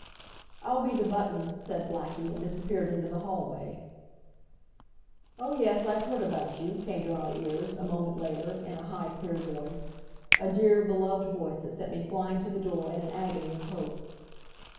"I'll be the Buttons," said Blackie, and disappeared into the hallway. "Oh, yes, I've heard about you," came to our ears a moment later, in a high, clear voice a dear, beloved voice that sent me flying to the door in an agony of hope.